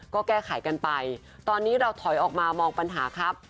ก็แก้ไขกันไปตอนนี้เราถอยออกมามองปัญหาครับ